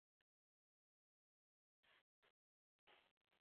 梧塘镇是中国福建省莆田市涵江区下辖的一个镇。